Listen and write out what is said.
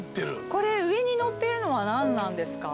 これ上にのってるのは何なんですか？